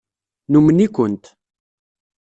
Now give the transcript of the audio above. Numen-ikent.